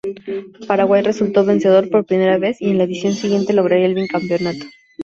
Paraguay resultó vencedor por primera vez y en la edición siguiente lograría el bicampeonato.